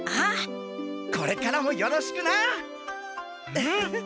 これからもよろしくな！